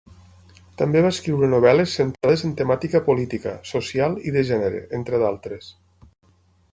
També va escriure novel·les centrades en temàtica política, social i de gènere, entre d'altres.